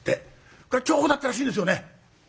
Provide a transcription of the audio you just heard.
これ重宝だったらしいですよね。